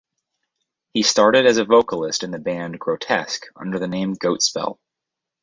He started as a vocalist in the band Grotesque under the name Goatspell.